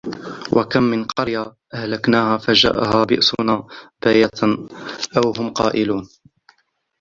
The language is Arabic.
وكم من قرية أهلكناها فجاءها بأسنا بياتا أو هم قائلون